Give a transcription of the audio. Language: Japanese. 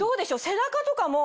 背中とかも。